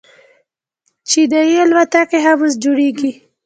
چیني الوتکې هم اوس جوړیږي.